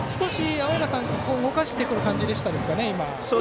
青山さん、少し動かしてくる感じでしたかね。